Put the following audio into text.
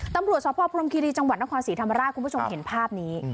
ตำรวจสพพรมคิรีจังหวัดนครศรีธรรมราชคุณผู้ชมเห็นภาพนี้